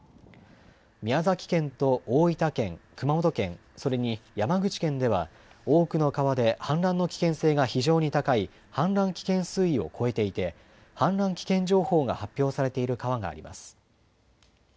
宮崎県と大分県、熊本県、それに山口県では、多くの川で氾濫の危険性が非常に高い氾濫危険水位を超えていて、氾濫危険情報が発表されている川があります。